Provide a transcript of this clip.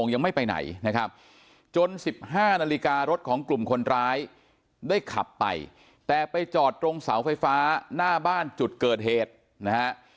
ยังไม่ไปไหนนะครับจน๑๕นาฬิการถของกลุ่มคนร้ายได้ขับไปแต่ไปจอดตรงเสาไฟฟ้าหน้าบ้านจุดเกิดเหตุนะฮะ